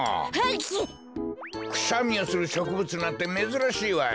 くしゃみをするしょくぶつなんてめずらしいわい。